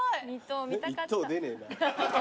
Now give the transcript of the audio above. １等出ねえな。